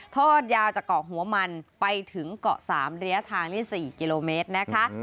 ทอดยาวจากเกาะหัวมันไปถึงเกาะ๓ระยะทางนี่๔กิโลเมตรนะคะ